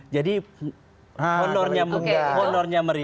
jadi honornya meri